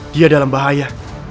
dia dalam bahaya